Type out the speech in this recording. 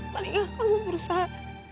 paling gak kamu berusaha